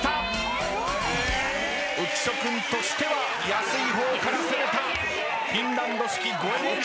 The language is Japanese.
浮所君としては安い方から攻めたフィンランド式五右衛門風呂。